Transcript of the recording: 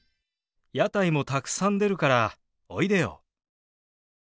屋台もたくさん出るからおいでよ。